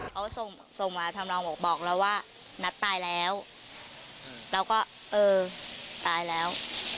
เขาส่งส่งมาทำนองบอกบอกเราว่านัทตายแล้วเราก็เออตายแล้ว